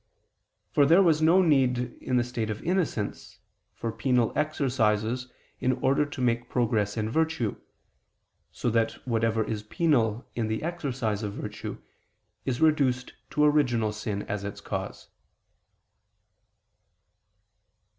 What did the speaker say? For there was no need, in the state of innocence, for penal exercises in order to make progress in virtue; so that whatever is penal in the exercise of virtue, is reduced to original sin as its cause.